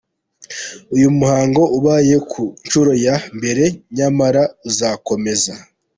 Uyu muhango ubaye ku ncuro ya mbere nyamara uzakomeza.